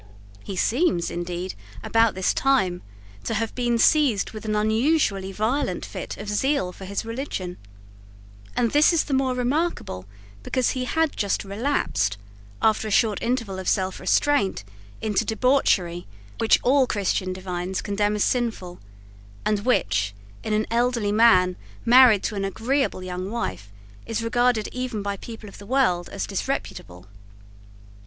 He seems, indeed, about this time, to have been seized with an unusually violent fit of zeal for his religion; and this is the more remarkable, because he had just relapsed, after a short interval of selfrestraint, into debauchery which all Christian divines condemn as sinful, and which, in an elderly man married to an agreeable young wife, is regarded even by people of the world as disreputable.